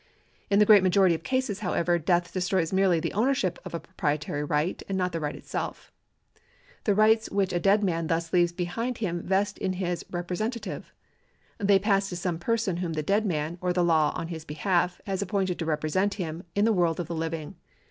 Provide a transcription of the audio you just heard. In the great majority of cases, however, death destroys merely the ownership of a proprietary right, and not the right itself. The rights which a dead man thus leaves behind him vest in his representaiive. The}' pass to some person whom the dead man, or the law on his behalf, has appointed to represent him in the world of the living.